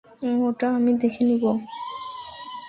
ওটা আমি দেখে নেব।